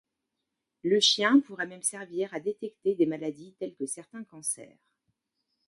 Le chien pourrait même servir à détecter des maladies telles que certains cancers.